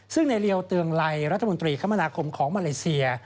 ซึ่งในเรียวเตืองไลรัฐมนตรีคมนาคมของมาเลเซีย